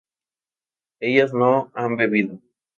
ellas no han bebido